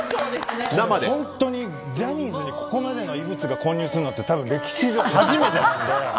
本当にジャニーズにここまでの異物が混入するって多分、歴史上初めてなので。